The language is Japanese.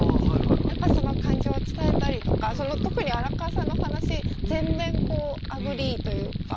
やっぱりその感情を伝えたりとか特に荒川さんの話全面こうアグリーというか。